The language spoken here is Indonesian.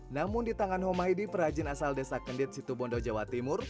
namun di tangan homahidi perajin asal desa kendit situbondo jawa timur